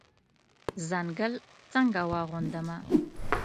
ځنګل څنګه واغوندمه